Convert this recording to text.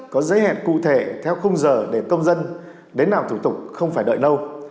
có giới hạn cụ thể theo khung giờ để công dân đến làm thủ tục không phải đợi lâu